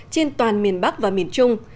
trên toàn miền bắc và miền trung